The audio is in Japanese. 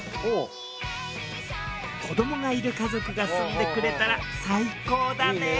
子どもがいる家族が住んでくれたら最高だねぇ。